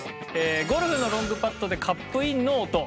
ゴルフのロングパットでカップインの音。